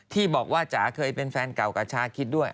ที่บอกว่าจ๋าเคยเป็นแฟนเก่ากับชาคิดด้วย